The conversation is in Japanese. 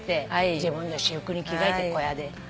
自分の私服に着替えて小屋で。